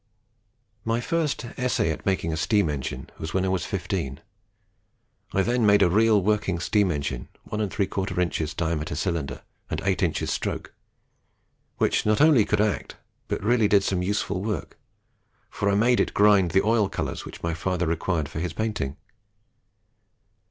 "My first essay at making a steam engine was when I was fifteen. I then made a real working; steam engine, 1 3/4 diameter cylinder, and 8 in. stroke, which not only could act, but really did some useful work; for I made it grind the oil colours which my father required for his painting.